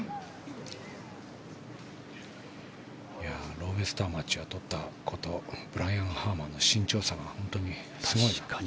ローエストアマチュアを取った子とブライアン・ハーマンの身長差が本当にすごい。